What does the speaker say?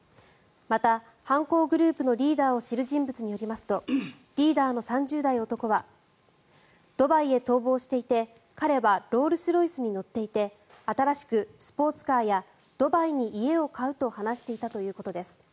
また、犯行グループのリーダーを知る人物によりますとリーダーの３０代男はドバイへ逃亡していて彼はロールス・ロイスに乗っていて新しくスポーツカーやドバイに家を買うと話していたということです。